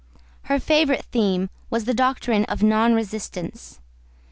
Her favourite theme was the doctrine of non resistance.